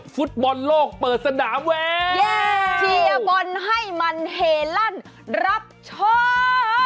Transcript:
ฟุตบอลโลกเปิดสนามแวร์เชียร์บอลให้มันเฮลั่นรับโชค